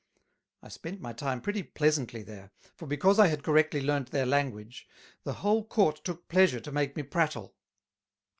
I spent my time pretty pleasantly there, for because I had correctly learned their Language, the whole Court took pleasure to make me prattle.